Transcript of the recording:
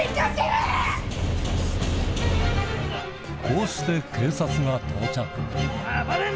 こうして警察が到着暴れるな！